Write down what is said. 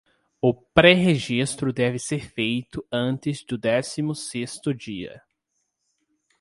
O pré-registro deve ser feito antes do décimo sexto dia.